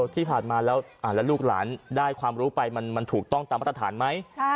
ที่ผ่านมาแล้วลูกหลานได้ความรู้ไปมันถูกต้องตามมาตรฐานไหม